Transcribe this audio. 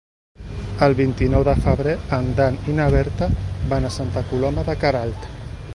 El vint-i-nou de febrer en Dan i na Berta van a Santa Coloma de Queralt.